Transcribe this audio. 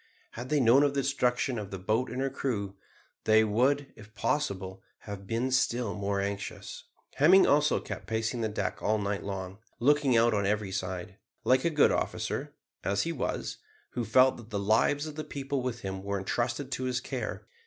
Had they known of the destruction of the boat and her crew, they would, if possible, have been still more anxious. Hemming also kept pacing the deck all night long, looking out on every side, like a good officer, as he was, who felt that the lives of the people with him were entrusted to his care.